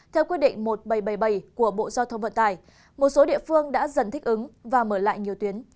theo quyết định một nghìn bảy trăm bảy mươi bảy của bộ giao thông vận tải một số địa phương đã dần thích ứng và mở lại nhiều tuyến